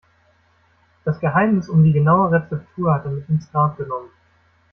Das Geheimnis um die genaue Rezeptur hat er mit ins Grab genommen.